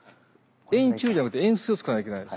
円柱じゃなくて円錐を使わなきゃいけないです。